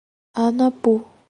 Anapu